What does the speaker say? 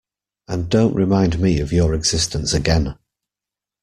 And don’t remind me of your existence again.